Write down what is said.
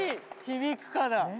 響くから。